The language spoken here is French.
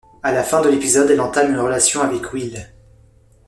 À la fin de l'épisode, elle entame une relation avec Will.